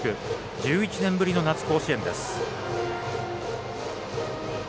１１年ぶりの夏甲子園です。